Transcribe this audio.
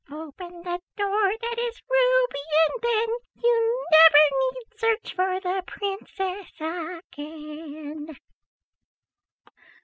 Open the door that is ruby, and then You never need search for the princess again."